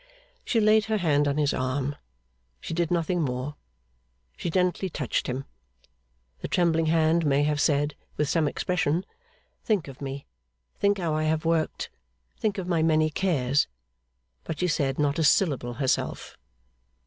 She laid her hand on his arm. She did nothing more. She gently touched him. The trembling hand may have said, with some expression, 'Think of me, think how I have worked, think of my many cares!' But she said not a syllable herself.